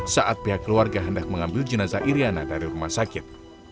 saat pihak keluarga hendak mengambil jenazah iryana dari rumah sakit